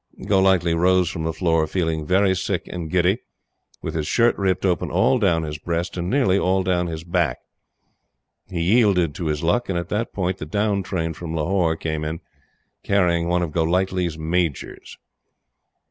Golightly rose from the floor feeling very sick and giddy, with his shirt ripped open all down his breast and nearly all down his back. He yielded to his luck, and at that point the down train from Lahore came in carrying one of Golightly's Majors.